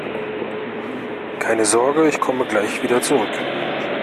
Keine Sorge, ich komme gleich wieder zurück!